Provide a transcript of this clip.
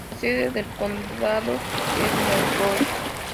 La sede del condado es Monroe.